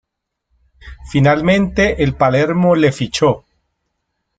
Finalmente, el Palermo le fichó.